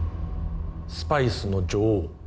スパイスの女王